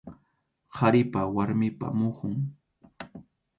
Qharipa warmipa muhun.